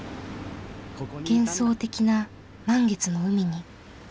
幻想的な満月の海に。